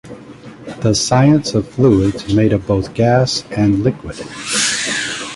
The science of fluids made of both gas and liquid.